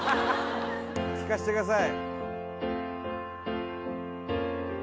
聴かしてください